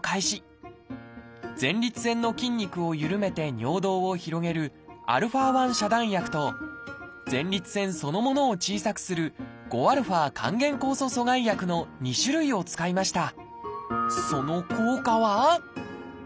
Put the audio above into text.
前立腺の筋肉をゆるめて尿道を広げるα遮断薬と前立腺そのものを小さくする５α還元酵素阻害薬の２種類を使いました。